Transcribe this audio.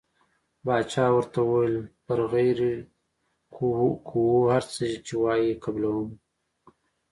باچا ورته وویل پر غیر کوو هر څه چې وایې قبلووم.